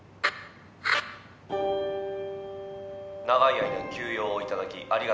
長い間休養を頂きありがとうございました。